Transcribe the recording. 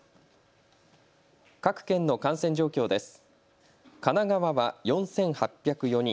各県の感染状況です。